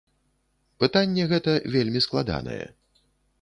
Пытанне гэта вельмі складанае.